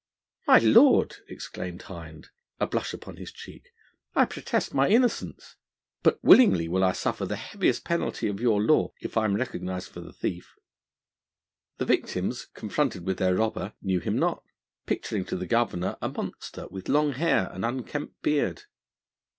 'My lord!' exclaimed Hind, a blush upon his cheek, 'I protest my innocence; but willingly will I suffer the heaviest penalty of your law if I am recognised for the thief.' The victims, confronted with their robber, knew him not, picturing to the Governor a monster with long hair and unkempt beard.